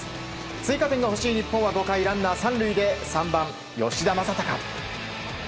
追加点が欲しい日本は５回ランナー３塁で３番、吉田正尚。